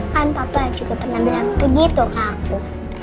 kan papa cukup pernah bilang begitu ke aku